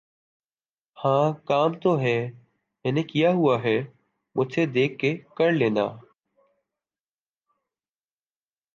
ہاں کام تو ہے۔۔۔ میں نے کیا ہوا ہے مجھ سے دیکھ کے کر لینا۔